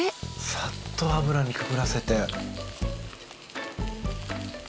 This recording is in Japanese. さっと脂にくぐらせて。